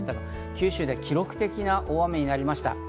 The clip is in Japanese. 九州では記録的な大雨になりました。